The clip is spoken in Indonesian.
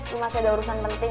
ini masih ada urusan penting